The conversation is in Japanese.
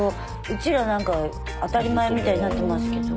うちらなんか当たり前みたいになってますけど。